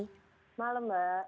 selamat malam mbak